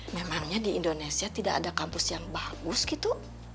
memangnya di indonesia tidak ada kampus yang bagus gitu